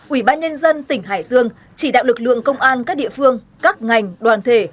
ủy ban nhân dân tỉnh hải dương chỉ đạo lực lượng công an các địa phương các ngành đoàn thể